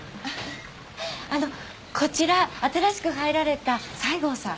あのこちら新しく入られた西郷さん